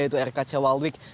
yaitu rkc walwik